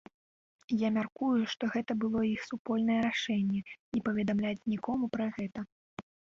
Я мяркую, што гэта было іх супольнае рашэнне не паведамляць нікому пра гэта.